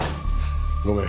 ごめん。